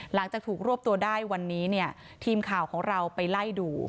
หลังจากถูกรวบตัวได้วันนี้เนี่ยทีมข่าวของเราไปไล่ดู